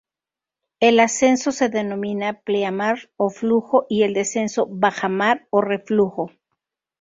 El ascenso se denomina pleamar o flujo y el descenso bajamar o reflujo.